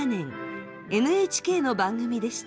ＮＨＫの番組でした。